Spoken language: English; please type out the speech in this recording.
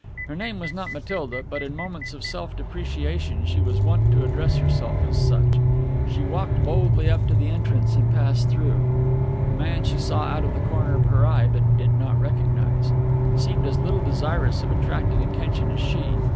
Her name was not Matilda, but in moments of self depreciation she was wont to address herself as such. She walked boldly up to the entrance and passed through. The man she saw out of the corner of her eye but did not recognize. He seemed as little desirous of attracting attention as she.